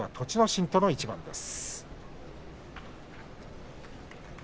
心との一番です。